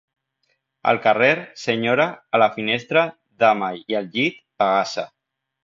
Al carrer, senyora, a la finestra, dama i al llit, bagassa.